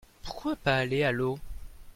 Pourquoi pas aller à l'eau ?